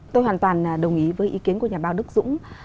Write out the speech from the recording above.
tôi hoàn toàn đồng ý với ý kiến của nhà báo đức dũng